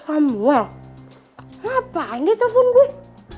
samuel ngapain dia telepon gue